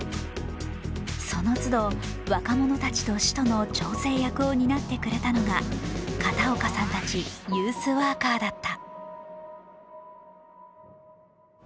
そのつど、若者たちと市との調整役を担ってくれたのが片岡さんたちユースワーカーだった。